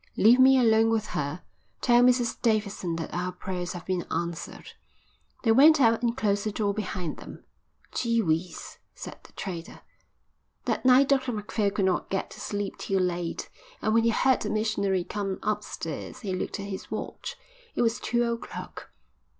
"Leave me alone with her. Tell Mrs Davidson that our prayers have been answered." They went out and closed the door behind them. "Gee whizz," said the trader. That night Dr Macphail could not get to sleep till late, and when he heard the missionary come upstairs he looked at his watch. It was two o'clock.